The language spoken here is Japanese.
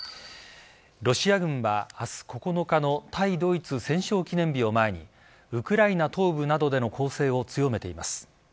ロシア軍は明日９日の対ドイツ戦勝記念日を前にウクライナ東部などでの攻勢を強めています。